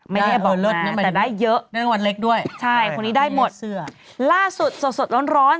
ไม่ได้บอกมาแต่ได้เยอะใช่คนนี้ได้หมดล่าสุดสดร้อน